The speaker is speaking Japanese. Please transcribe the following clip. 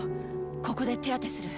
ここで手当てする。